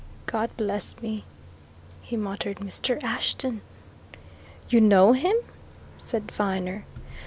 "God bless me!" he muttered. "Mr. Ashton!" "You know him?" said Viner.